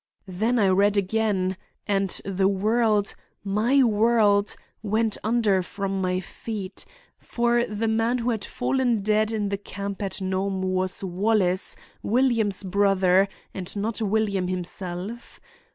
Then I read again, and the world, my world, went from under my feet; for the man who had fallen dead in the camp at Nome was Wallace, William's brother, and not William himself.